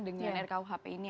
dengan rkuhp ini